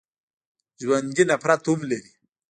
ژوندي نفرت هم لري